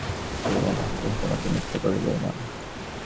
এখানে কেহ তোমাকে নিবারণ করিবে না, কেহ তোমাকে নিন্দা করিবে না।